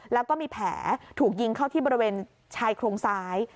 แล้วก็มีแผลถูกยิงเข้าที่บริเวณชายโครงซ้าย